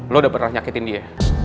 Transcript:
lo udah pernah nyakitin dia